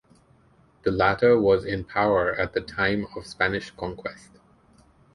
The latter was in power at the time of Spanish conquest.